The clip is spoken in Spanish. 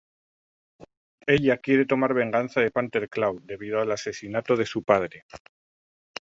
Ella quiere tomar venganza de Panther Claw debido al asesinato de su padre.